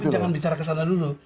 jangan bicara kesana dulu